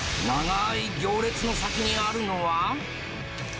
長ーい行列の先にあるのは。